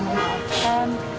insya allah kamu bisa